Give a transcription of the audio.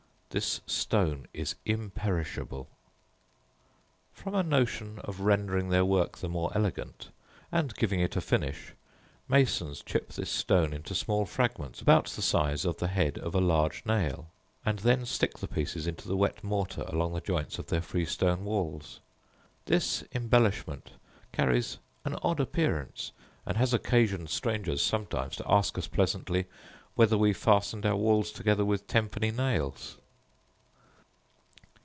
This stone is imperishable. From a notion of rendering their work the more elegant, and giving it a finish, masons chip this stone into small fragments about the size of the head of a large nail; and then stick the pieces into the wet mortar along the joints of their freestone walls: this embellishment carries an odd appearance, and has occasioned strangers sometimes to ask us pleasantly, 'whether we fastened our walls together with tenpenny nails.